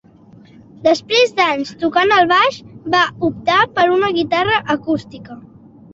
Després d'anys tocant el baix, va optar per una guitarra acústica.